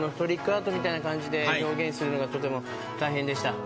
みたいな感じで表現するのがとても大変でした。